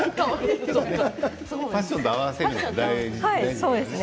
ファッションと合わせることも大事ですね。